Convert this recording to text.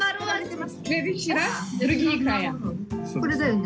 これだよね？